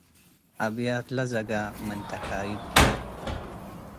አብያት ለዘጋ ምን ተካይብ ቱ ።